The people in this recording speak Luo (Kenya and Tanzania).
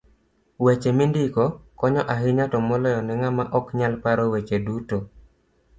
Weche mindiko konyo ahinya to moloyo ne ng'ama oknyal paro weche duto.